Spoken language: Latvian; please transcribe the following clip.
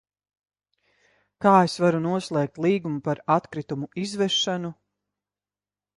Kā es varu noslēgt līgumu par atkritumu izvešanu?